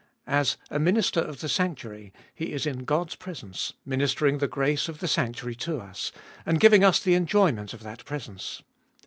As a Minister of the sanctuary, He is in God's presence, ministering the grace of the sanctuary to us, and giving us the enjoyment of that presence.